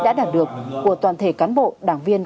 đã đạt được của toàn thể cán bộ đảng viên